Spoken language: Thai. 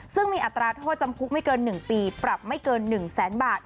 ซึ่งมีอัตราโทษจำคุกไม่เกิน๑ปีปรับไม่เกิน๑แสนบาท